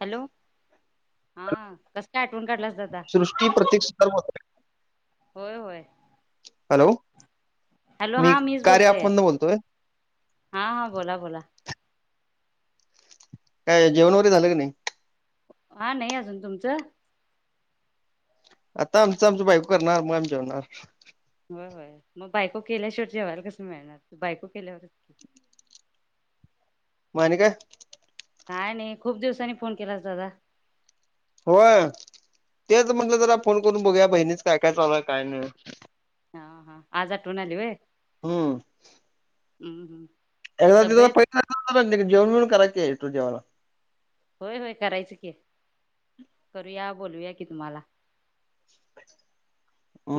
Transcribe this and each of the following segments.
Hello हा कस काय आठवण काढलास दादा होत [inaudible] होय होय. हॅलो हॅलो मी हा मीच कार्य बोलते अँप मधन बोलतोय हा हा बोला बोला काय जेवण वगैरे झालं काय नाही हा नाही अजून तुमचं. आता आमचं आमच बायको करणार मग आम्ही जेवणार होय होय मग बायको केल्याशेवट जेवायला कस मिळणार बायको केल्यावरच की मग आणि काय काय नाही खूप दिवसांनी फोन केलास दादा होय तेच म्हटलं जरा फोन करून बघूया बहिणीचं काय काय चालू हाय काय नाही हा हा आज आठवण आली व्हय. हम्म. हम्म हम्म. ए तब्येत पै [unintelligible] जेवण बिवन करा की येतो जेवायला होय होय करायचं की करूया बोलवूया कि तुम्हाला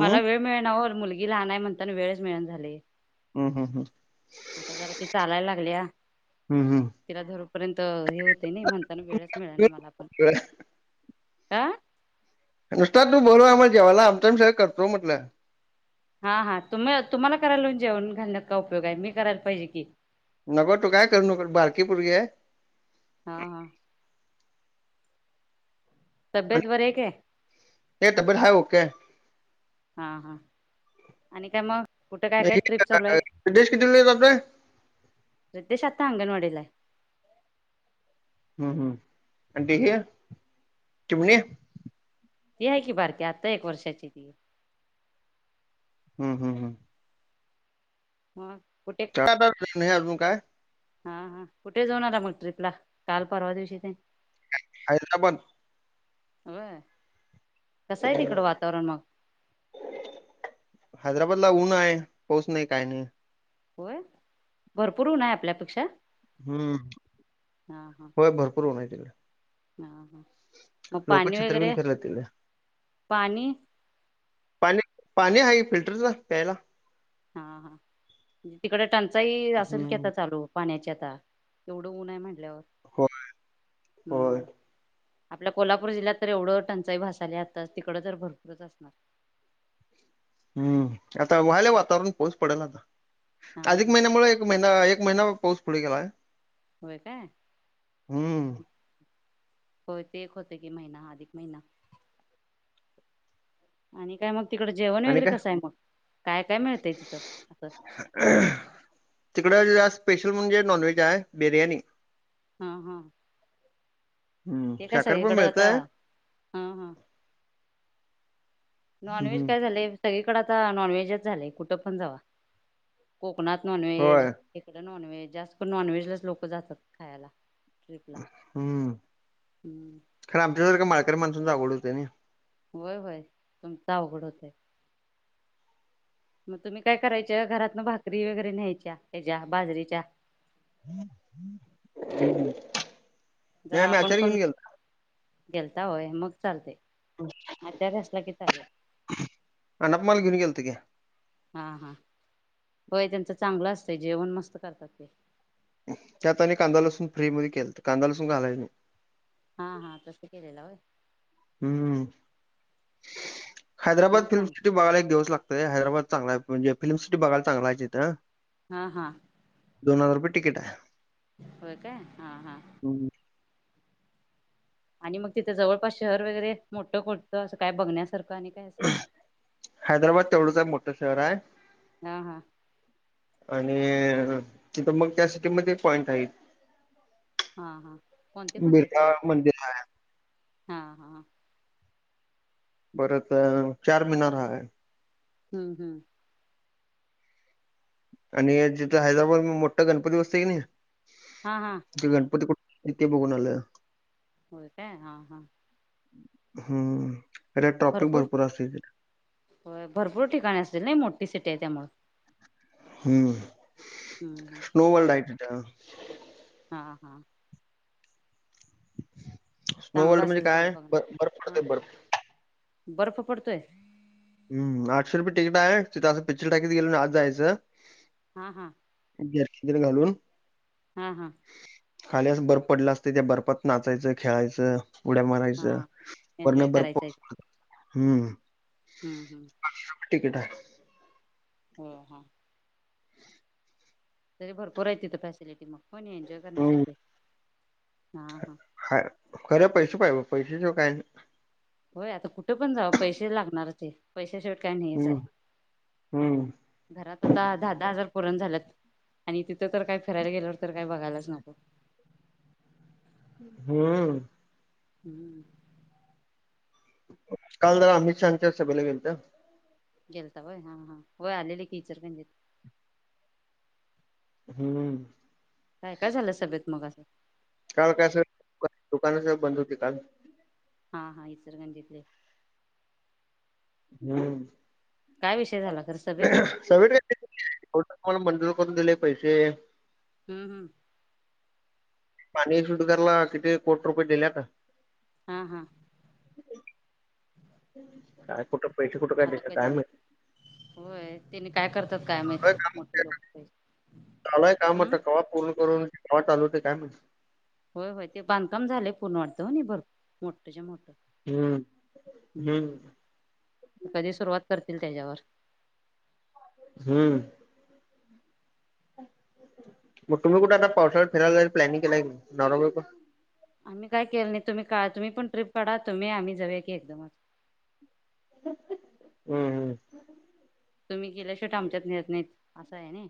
मला वेळ मिळणा ओ मुलगी लहान आहे म्हणताना वेळच मिळना झालंय हम् हम् हम्. आता जरा ति चालायला लागल्या हम्म हम्म तिला धरूपर्यंत हे होते नाही म्हणताना वेळच मिळे ना मला पण आ. नुसता तू बोलव आम्हाला जेवायला आमचं आमी सगळं करतो हा हा तुम्ही तुम्हाला करायला लावून जेवन घालण्यात काय उपयोग आहे मी करायला पाहिजे की नको तू काय करु नकोस बारकी पुरगी हाय हा हा तब्येत बरी आहे काय ए तब्बेत हाय ओके हाय हा हा आणि काय मग कुठे काय काय आहे ट्रिप चालू आहेत किती जातोय रितेश आता अंगणवाडी ला हम्म हम्म आणि हे चिमणी ती आहे कि बारकी आत्ता एक वर्षाची ती हम्म हम् हम्. हो. हे अजून काय? हा हा कुठे जाऊन आ मग ट्रिप ला काल परवा दिवशी ते? हैदराबाद. होय. कसं आहे तिकडं वातावरण मग? हैदराबाद ला ऊनं आहे पाऊस नाही काय नाही. होय भरपूर उन आहे आपल्यापेक्षा. हम्म होय भरपूर ऊन आहे तिकडे. ह. लोक छत्री घिऊन फिरल्यात तिकडे पाणी पाणी पाणी आहे फिल्टरचा प्यायला. हा हा तिकडे टंचाई असेल की हम्म आता चालू होत. पाण्याचे आता एवढं ऊन आहे म्हटल्यावर होय होय हम्म. आपल्या कोल्हापूर जिल्ह्यात तर एवढं टंचाई भासल्या आली आता तिकड तर भरपूरच असणार. हम्म आता व्हायला वातावरण पोउस पडेल आता. हा अधिक हा महिन्यामुळे एक महिना एक महिना पाऊस पुढे गेलाय. होय काय? होय ते एक होत की महिना हादिक महिना आणि काय मग? तिकडं जेवण आणि वगैरे काय कसं आहे मग काय-काय मिळतंय तिथं असं. तिकडं स्पेशल म्हणजे नॉनव्ज आहे बिर्याणी हा हा. हम्म ते काय शाकाहार पण सगळीकडं आता मिळतंय हा हा. नॉनव्हेज हम्म काय झाले सगळीकडे आता नॉनव्हेजच झालेय कुठं पण जावा को कणात नॉनव्हेज, होय इकड नॉनव्हेज, जास्त नॉनव्हेजलाच लोकं जातात खायला. ट्रिपला हम्म हम्म खरं आमच्यासारखं माळकरी माणसूनचा अवघड होते नी. होय-होय तुमच अवघड होतय. मग तुम्ही काय करायच्या? घरातन भाकरी वगैरे न्यायच्या हेजा बाजरीच्या. हम्म नाही आम्ही आचार घेऊन गेलो. गेलतावय मग चालते. आ तयार असला की चालेल. अनाप माल घेऊन गेलतो की हा हा होय त्यांचा चांगलं असतंय जेवण मस्त करतात ते. त्यात आणि कांदा लसून फ्री मध्ये केलतं कांदा, लसून घालाय नको. हा हा तसं केलेला वय. हम्म, हैदराबाद मग फिल्म चांग सिटी बघायला एक दिवस लाग ते हैदराबाद चांगलाय म्हजे फिल्म सिटी बघायला चांगला आहे तिथं. हा हा. दोन हजार रुपये टिकीट आहे. होय का हा हा. हम्म आणि मग तिथं जवळपास शहर वगैरे मोठं कोणतं असं काय बघण्यास? हैदराबाद तेवढंच आहे मोठं शहर आहे. हा हा. आणि ए तिथं मग त्या सिटीमध्ये पॉइंट आहेत. हा हा कोणते-कोणते आहेत बिर्ला पॉईंट? मंदिर आहे, हा हा. बरं तर चार मिनार आहे. हम्म हम्म. आणि ए जिथं हैदराबाद म मोठा गणपती बसते की नाही, हा हा ती गणपती कु इथे बघून आलय. होय काय हा हा. हम्म. अरे ट्रॉपिक भरपूर असतय तिथं. होय भरपूर ठिकाणी असतील नाही मो ठी सिटी आहे त्यामुळे. हम्म, स्नो वर्ल्ड आहे तिथं. हा हा. स्नो चांगलं वर्ल्ड म्हणजे असेल सगळं काय बघ बर्फ बर्फ हा पडतोय बर्फ. बर्फ पडतोय हम्म, आठशे रुपय तिकीट आहे तिथं असं पिक्चर टाकीत गेल्या आणि आत जायचं हा हा. ग्यार्की तेन घालून हा हा खाली असं बर्फ पडला असतय त्या बर्फात नाचायचं खेळायचं उड्या मारायच हा एन्जॉय वरनं बर्फ करायचा आहे हम्म. हम्म हम्म. तिकीट हाय. होय हा. तरी भरपूर आहे तिथ फॅसिलिटी. पण एन्जॉय हम्म करण्यासाठी हाईत. हाय खरं पैसे पाहिजे बघ पैसे शिवाय काय नाही. होय आता कुठ पण जावा पैसे लागणारच हाइत पैसे शिवाय - - काय नाहीयच हाय. हम्म हम्म घरात आता दहा दहा हजार पुरणा झाल्यात. आणि तिथं तर काय फिरायला गेल्यावर तर काय बघायलाच नको. हम्म. हम्म. काल जरा अमित शहाच्या सभेला गेलत. गेलता होय? हा, हा. होय. आलेले की इचलकरंजीत. हम्म. काय काय झालं सभेत मग असं? काल काय अस [inaudible] दुकान सगळी बंद होती काल. हां हां इचलकरंजीतले. हूं काय विषय झाला खरं सभेत [unintelligible] कोण मंजूर करून दिलय पैसे? हूं हूं. पाणी शुद्ध करायला किती कोट रुपये दिल्यात? हां हां काय कुठं पैसे कुठं काय आता देत्यात कधी काय माहित? होय त्याने काय करतात काय माहित कामात मोठे [unintelligible] लोक चालुय काम हम्म आता कवा पूर्ण करून कवा चालू. काय माहित? व्हय व्हय ते बांधकाम झालय पूर्ण वाटत व्हय नी मोठच्या मोठ. हम्म हम्म कधी सुरुवात करत त्येजावर. हूं. मग तुम्ही कुठ आता पावसाळ्यात फिरायला जायचं प्लॅनिंग केलाय की नाय नवरा बायको? आम्ही काय केलं नाही. तुम्ही का तुम्ही पण ट्रिप काढा तुम्ही आम्ही जाऊया की एकदमच. [unintelligible] हूं तुम्ही गेल्याशेवट आमच्यात नेत नाहीत असं हाय नी.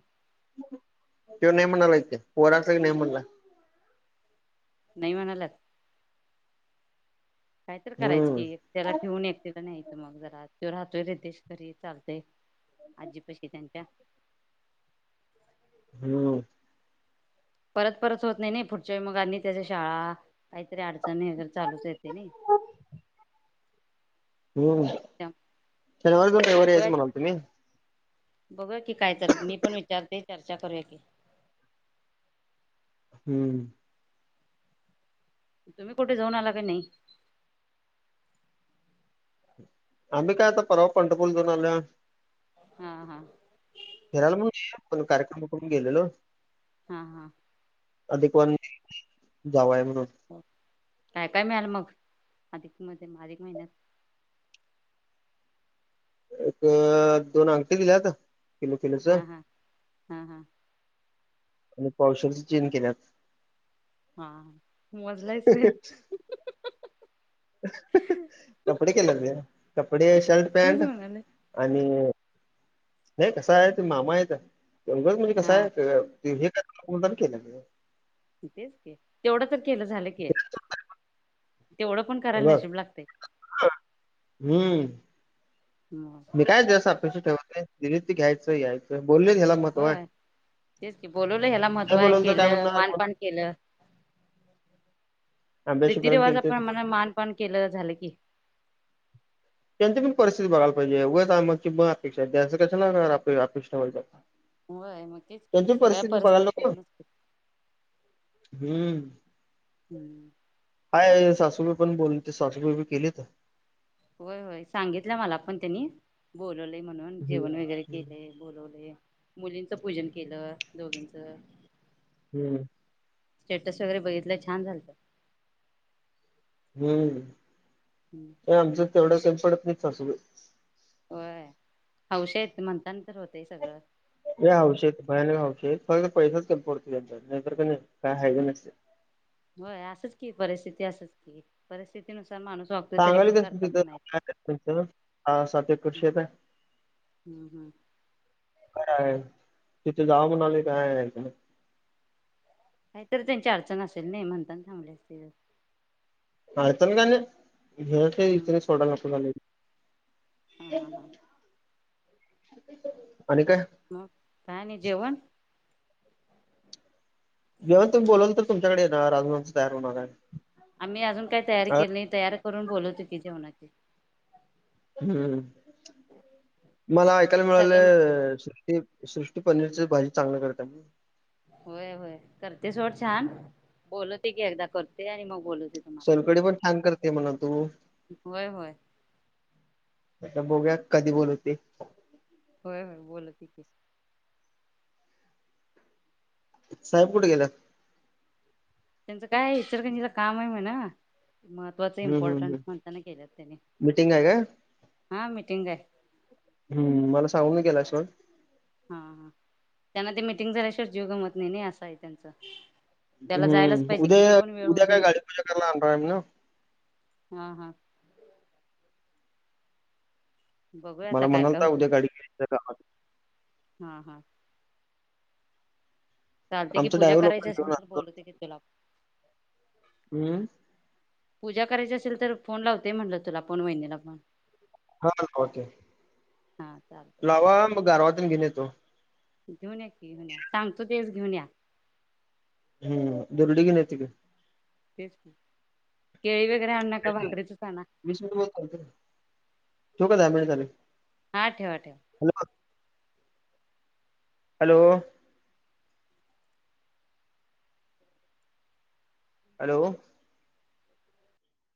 त्यो नाही म्हणालाय की. पोरा सकट नाही म्हणला. नाही म्हणाल्यात. काय तर करायचं हम्म की. त्याला ठेवून एकटीला न्यायचं. मग जरा त्यो राहतोय रितेश, घरी चालतय आजी पशी त्यांच्या. हूं परत परत होत नाही नही. पुढच्यावेळी मग अनि त्यांच्या शाळा काहीतरी अडचणी त्यानी तर चालूच हाय ते नई हूं शनवारी जाऊन रविवारी यायचं बघूया म्हणालतो मी. बघूया की काय तर मी पण विचारते चर्चा करूया की. हूं तुम्ही कुठे जाऊन आला का नाही? आम्ही काय आता परवा पंढरपूरला जाऊन आलोय. हा हा फिरायला पण हुतितपण कार्यक्रम उरकून गेलेलो. हा हा. अधिक वाण दिलीतं नई जावाय म हो काय काय मिळालं मग? अधिक मध्ये म अधिक महिन्यात एक दोन अंगठी दिल्यात. किलो किलोच हम् हम् हम् हम्. आणि पावशलची चिन केल्यात. हा मोजलायसं होय. कपडे केलेत काय कपडे शर्ट तेच पॅन्ट म्हणाले आणि [inaudible] हे कसा आहे ते मामा आहेत, उगच म्हणजे कसा हा आहे हे काय मुद्दाम केलं काय? तिथेच कि, तेवढं तर केलं झालंकी. तेवढं पण करायला बघ. नशीब लागतंय. हम्म मी काय लक्ष ठेवते नाय दिलीत ते घ्यायचं यायचं बोलले ह्याला महत्व आहे. होय तेच की बोलवलं ह्याला महत्व नाही हाये, बोलवलं तर काय केलं म्हणणार कोण मानपान केलं. [inaudible] रीती अभ्यासीकरण रिवाज केलं ते प्रमाणा मान पान केल झालं की! त्यांची पण पारस- तिथी बघायलं पाहिजे उगाच आमची अपेक्षा ठेवायला पाहिजे? होय मग तेच की सगळ्या बघायला परिस्थिती नको. बघूनच हम्म. हम्म. हाय सासूबाई पण बोलते, सासूबाई बी केलीत. होय होय सांगितलं मला पण त्यांनी. बोल बोलवलय म्हणून हम्म. जेवण वगैरे हम्म. केलेय बोलवलेय. मुलींचं पूजन केलं दोघींचं. हम्म. स्टेटस वगैरे बघितलं छान झालतं. हम्म आमचं तेवढंयात कमी पडत नाही सासूबाई. व्हय. हौशी आहेत ते म्हणता नंतर होतेय सगळं. लय हौशी आहेत भयानक हौशी आहेत फक्त पैसाच कमी पडतो यांच्यात. नाही तर का नई काय हाय का नस्तिये. होय असंच की परिस्थिती असच कि परिस्थिती नुस सांगालीत त्यास्नी तिथ सात एकर शेत आहे. हम्म हम्म. काय तिथे जाव म्हणाआले काय का? काहीतरी त्यांची अडचण असेल. नाही म्हणतान थांबले असतील. अडचण काही नाही, घरातले हम्म इथले सोडायला नको म्हणायलेत. हा हा हा. [inaudible] मग काय आणि जेवण? जेवण तुम्ही बोलवल तर तुमच्याकड येणार आजुन आमच तयार हुणार हाय! आम्ही अजून काय तयारी केल नाही तयारी करून बोलवतो की जेवणाची. हम्म. मला ऐकायला नाही तर सगळे मिळालंअ सृष्टी सृष्टी पनीरच भाजी चांगलं करत्या म्हणून? होय होय करते सोड छान बोलवते की, एकदा करते आणि मग बोलवते. तुम्हाला सोलकडी पण छान करते म्हणलतू. होय होय आता बोघुया कधी बोलवते? होय होय बोलवते की! साहेब कुठ गेल्यात? त्येचं काय इचलकंजी ला काम हाय म्हण महत्त्वाच हम्म हम्म इम्पॉर्टंट हम्म म्हणताना गेल्यात, मिटिंग आहे काय हा मिटिंग हाय. हम्म मला सांगून गेलाय सोड! हा हा त्यांना ते मिटिंग झाल्या शिवट जीव गमत नाइ नाई असं हाय तेंच. हम्म उद्या उद्या दे काय गाडी पूजा करायला आण्णार हाय म्हण? हा हा. बघूया आता मला काय काय म्हणालता होते उद्या गाडी घेउन [inaudible] हा हा चालतय की आमचं पूजा ड्रायव्हर करायची लोकांना असेल घेऊन तर आणतो बोलवतो की तुला हम्म? पूजा करायची असेल तर फोन लावते म्हणलं तुला पण वैनी ला पण. हा चालतंय लावा मग गारवा तेन घेउन येतो. घेऊन या की घेऊन या सांगतो तेच घेऊन या. हम् दुर्डी घीउन येतो की. तेच केळि घेवू वगैरे आणु नका भाकरीचच आणा. ठेउ का? धा मिंट झालं. हा ठेवा ठेवा. हॅलो. हॅलो.